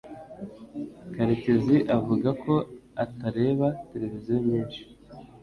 Karekeziavuga ko atareba televiziyo nyinshi